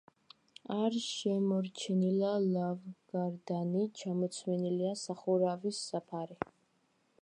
არ შემორჩენილა ლავგარდანი, ჩამოცვენილია სახურავის საფარი.